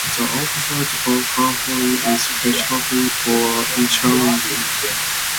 The opposite of homophily is heterophily or intermingling.